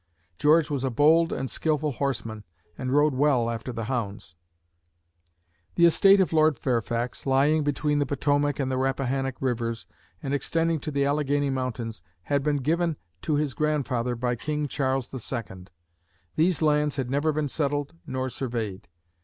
George was a bold and skillful horseman and rode well after the hounds. [Illustration: Surveying] The estate of Lord Fairfax, lying between the Potomac and Rappahannock rivers and extending to the Alleghany Mountains, had been given to his grandfather by King Charles II. These lands had never been settled nor surveyed.